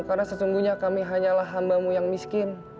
karena sesungguhnya kami hanyalah hambamu yang miskin